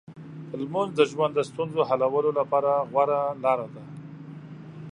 لمونځ د ژوند د ستونزو حلولو لپاره غوره لار ده.